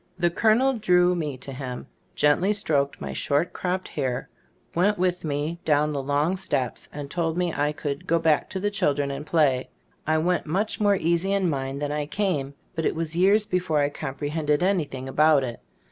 The col onel drew me to him, gently stroked my short cropped hair, went with me down the long steps, and told me I could "go back to the children and play." I went much more easy in mind than I came, but it was years before I comprehended anything about it.